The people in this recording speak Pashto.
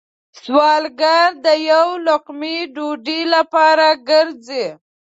سوالګر د یو لقمه ډوډۍ لپاره گرځي